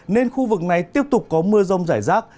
nên khu vực này tiếp tục có mưa rông rải rác